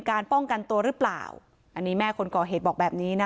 ป้องกันตัวหรือเปล่าอันนี้แม่คนก่อเหตุบอกแบบนี้นะคะ